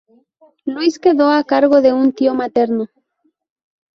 Luis quedó al cargo de un tío materno.